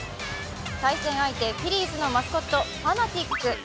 対戦相手フィリーズのマスコットファナティック。